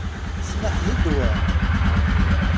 Ssmaḥ, d ddwa!